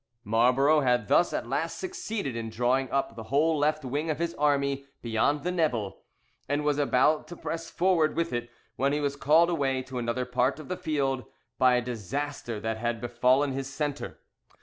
Marlborough had thus at last succeeded in drawing up the whole left wing of his army beyond the Nebel, and was about to press forward with it, when he was called away to another part of the field by a disaster that had befallen his centre.